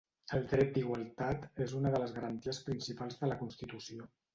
El dret d'igualtat és una de les garanties principals de la Constitució.